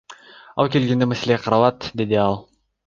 Ал келгенде маселе каралат, — деди ал.